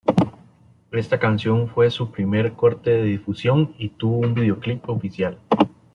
Esta canción fue su primer corte de difusión y tuvo un videoclip oficial.